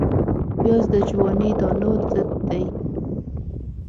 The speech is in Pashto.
پیاز د جواني دانو ضد دی